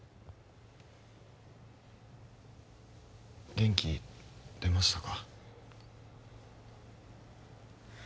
元気出ましたか？